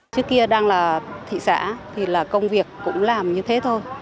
trước kia đang là thị xã thì là công việc cũng làm như thế thôi